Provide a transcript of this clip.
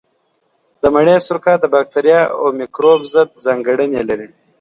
د مڼې سرکه د باکتریا او مېکروب ضد ځانګړنې لري.